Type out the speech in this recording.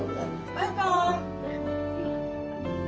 バイバイ。